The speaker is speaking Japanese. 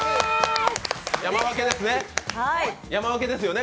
山分けですよね？